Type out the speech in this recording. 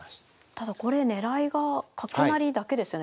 ただこれ狙いが角成りだけですよね。